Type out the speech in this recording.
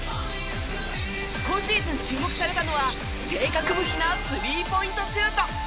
今シーズン注目されたのは正確無比なスリーポイントシュート。